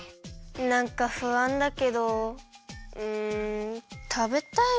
なんかふあんだけどうんたべたいものか。